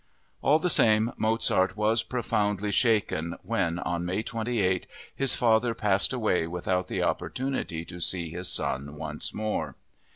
_" All the same, Mozart was profoundly shaken when, on May 28, his father passed away without the opportunity to see his son once more.